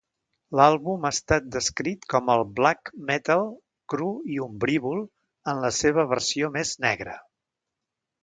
L'àlbum ha estat descrit com el "black metal" cru i ombrívol en la seva versió més negra.